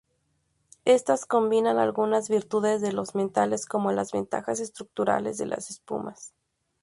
Estas, combinan algunas virtudes de los metales, con las ventajas estructurales de las espumas.